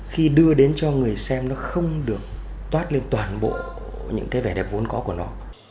khi đưa đến cho người xem nó không được toát lên toàn bộ những cái vẻ đẹp vốn có của nó